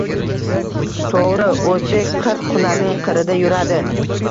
To‘g‘ri, o‘zbek qirq hunarning qirida yuradi